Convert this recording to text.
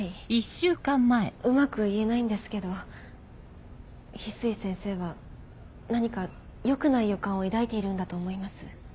はいうまく言えないんですけど翡翠先生は何か良くない予感を抱いているんだと思います。